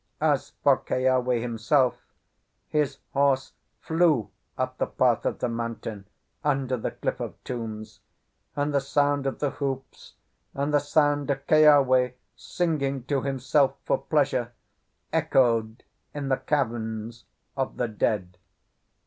As for Keawe himself, his horse flew up the path of the mountain under the cliff of tombs, and the sound of the hoofs, and the sound of Keawe singing to himself for pleasure, echoed in the caverns of the dead.